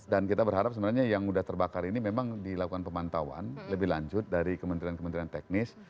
dan kita berharap sebenarnya yang sudah terbakar ini memang dilakukan pemantauan lebih lanjut dari kementerian kementerian teknis